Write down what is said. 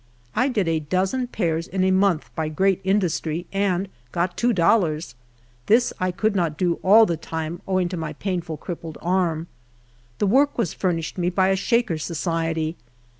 I did a dozen pairs in a month by great industry, and got two dollars. This 1 could not do all the time, owing to my painful, crippled arm. The work was furnished me by a Shaker society.